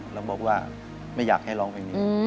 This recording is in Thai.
แล้วบอกว่าไม่อยากให้ร้องเพลงนี้